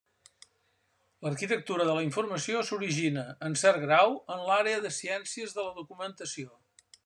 L’arquitectura de la informació s’origina, en cert grau, en l’àrea de ciències de la documentació.